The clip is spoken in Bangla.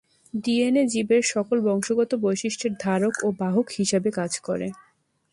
ডিএনএ জীবের সকল বংশগত বৈশিষ্ট্যের ধারক ও বাহক হিসাবে কাজ করে।